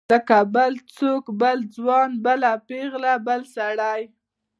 لکه بل څوک بل ځوان بله پیغله بل سړی.